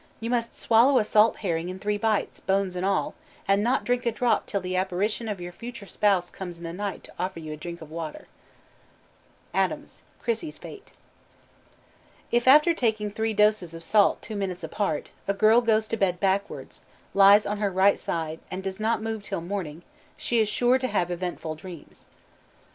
You must swallow a salt herring in three bites, bones and all, and not drink a drop till the apparition of your future spouse comes in the night to offer you a drink of water.'" ADAMS: Chrissie's Fate. If, after taking three doses of salt two minutes apart, a girl goes to bed backward, lies on her right side, and does not move till morning, she is sure to have eventful dreams.